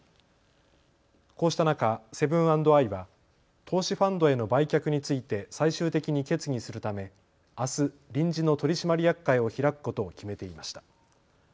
こうした中、セブン＆アイは投資ファンドへの売却について最終的に決議するためあす臨時の取締役会を開くことを決めていました。